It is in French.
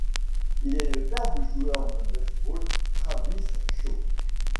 Il est le père du joueur de baseball Travis Shaw.